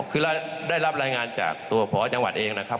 คือเราได้รับรายงานจากตัวพอจังหวัดเองนะครับ